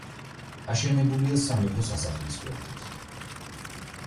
აშენებულია სამეფო სასახლის გვერდით.